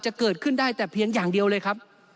เกิดขึ้นได้แต่เพียงอย่างเดียวเลยครับ